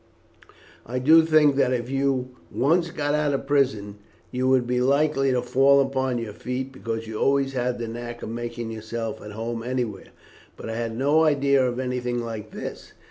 I did think that if you once got out of prison you would be likely to fall upon your feet, because you always had the knack of making yourself at home anywhere; but I had no idea of anything like this.